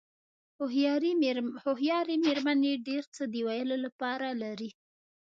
هوښیارې مېرمنې ډېر څه د ویلو لپاره لري.